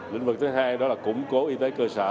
lĩnh vực thứ hai đó là củng cố y tế cơ sở